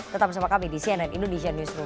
tetap bersama kami di cnn indonesia newsroom